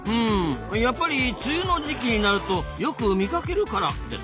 やっぱり梅雨の時期になるとよく見かけるからですかねえ。